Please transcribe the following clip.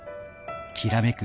きらめく